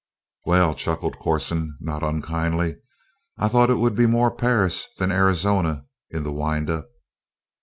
"Well!" chuckled Corson, not unkindly, "I thought it would be more Perris than Arizona in the wind up!"